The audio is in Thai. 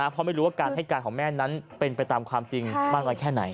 เพราะไม่รู้ว่าการให้การของแม่นั้นเป็นไปตามความจริงมากน้อยแค่ไหน